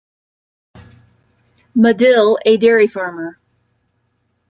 Madill, a dairy farmer.